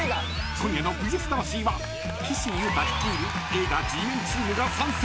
［今夜の『ＶＳ魂』は岸優太率いる映画Ｇメンチームが参戦］